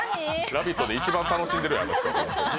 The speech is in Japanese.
「ラヴィット！」で一番楽しんでるよ、あの人。